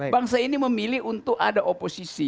bangsa ini memilih untuk ada oposisi